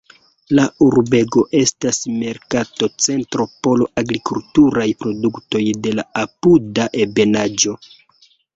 La urbego estas merkato-centro por agrikulturaj produktoj de la apuda ebenaĵo.